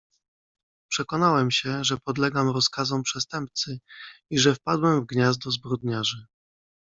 "Przekonałem się, że podlegam rozkazom przestępcy i że wpadłem w gniazdo zbrodniarzy."